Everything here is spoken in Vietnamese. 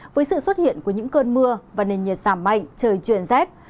với sự xuất hiện của những cơn mưa và nền nhiệt giảm mạnh trời chuyển rét